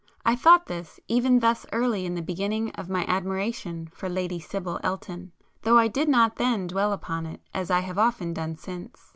I thought this even thus early in the beginning of my admiration for Lady Sibyl Elton, though I did not then dwell upon it as I have often done since.